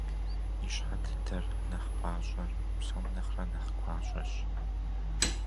Ищхьэ дыдэр, нэхъ пIащIэр, псом нэхърэ нэхъ гуащIэщ.